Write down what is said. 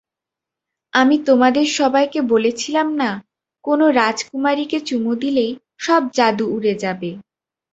আমি তোমাদের সবাইকে বলেছিলাম না, কোনো রাজকুমারীকে চুমু দিলেই সব জাদু উড়ে যাবে।